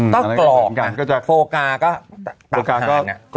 ต้องกรอกโฟกาก็ตับผ่าน